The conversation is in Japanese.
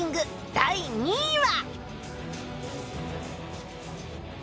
第２位は？